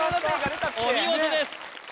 お見事です